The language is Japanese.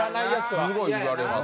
すごい言われます。